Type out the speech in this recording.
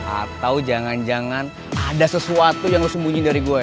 atau jangan jangan ada sesuatu yang sembunyi dari gue